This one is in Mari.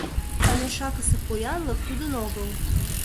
А мешакысе поянлык тудын огыл.